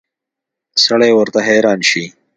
سړی ورته حیران شي.